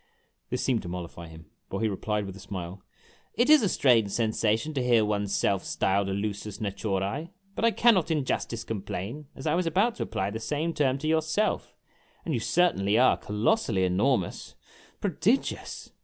This seemed to mollify him, for he replied, with a smile, " It is a strange sensation to hear one's self styled a Ius2ts natiirce, but I cannot in justice complain, as I was about to apply the same term to yourself; and you certainly are colbssally enormous pro digious